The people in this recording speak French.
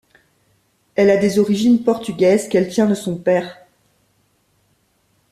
Elle a des origines portugaises qu'elle tient de son père.